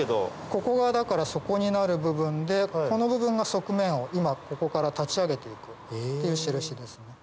ここが底になる部分でこの部分が側面を今ここから立ち上げていくっていう印ですね。